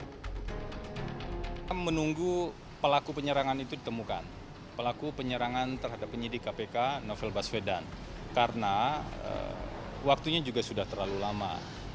kita menunggu pelaku penyerangan itu ditemukan pelaku penyerangan terhadap penyidik kpk novel baswedan karena waktunya juga sudah terlalu lama